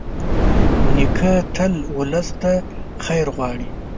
نیکه تل ولس ته خیر غواړي.